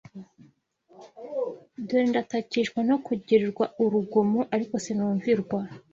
Dore ndatakishwa no kugirirwa urugomo, ariko sinumvirwa